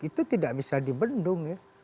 itu tidak bisa dibendung ya